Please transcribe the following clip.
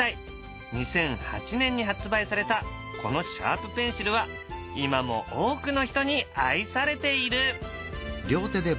２００８年に発売されたこのシャープペンシルは今も多くの人に愛されている。